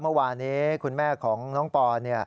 เมื่อวานี้คุณแม่ของน้องปอน